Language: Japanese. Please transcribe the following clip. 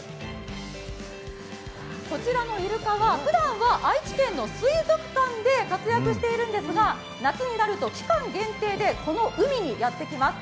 こちらのイルカはふだんは愛知県の水族館で活躍しているんですが夏になると期間限定で、この海にやってきます。